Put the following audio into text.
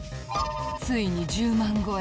ついに１０万超え。